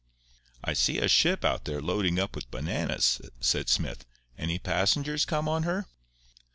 "I see a ship out there loading up with bananas," said Smith. "Any passengers come on her?"